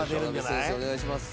お願いします。